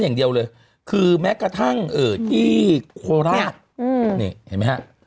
อย่างเดียวเลยคือแม้กระทั่งที่โคราชนี่เห็นไหมฮะ